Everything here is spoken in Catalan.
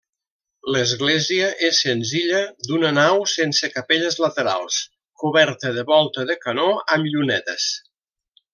L'església és senzilla, d'una nau sense capelles laterals, coberta de volta de canó amb llunetes.